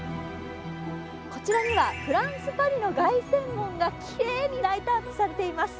こちらにはフランス・パリの凱旋門がきれいにライトアップされています。